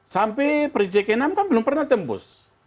sampai proyek ke enam kan belum pernah tembus